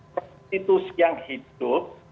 konstitusi yang hidup